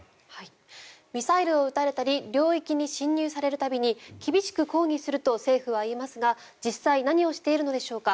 ミサイルを撃たれたり領域に侵入される度に厳しく抗議すると政府は言っていますが実際何をしているのでしょうか。